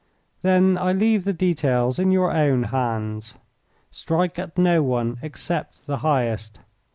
"Then I leave the details in your own hands. Strike at no one except the highest.